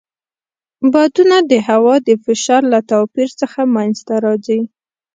بادونه د هوا د فشار له توپیر څخه منځته راځي.